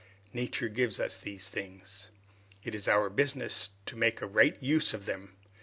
Nature gives us these things. It is our business to make a right use of them.